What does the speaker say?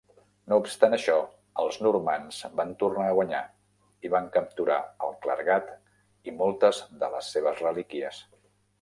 No obstant això, els normands van tornar a guanyar i van capturar el clergat i moltes de les seves relíquies.